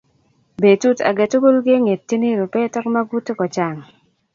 Betut age tugul kengetyini rubet ak magutik kochang